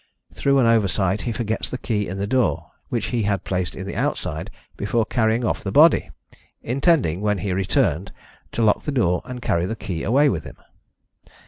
Through an oversight he forgets the key in the door, which he had placed in the outside before carrying off the body, intending when he returned to lock the door and carry the key away with him.